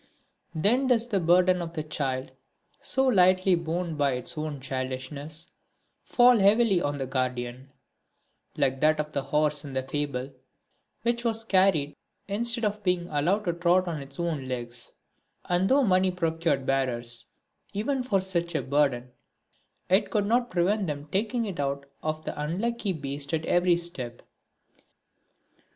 Then does the burden of the child, so lightly borne by its own childishness, fall heavily on the guardian like that of the horse in the fable which was carried instead of being allowed to trot on its own legs: and though money procured bearers even for such a burden it could not prevent them taking it out of the unlucky beast at every step.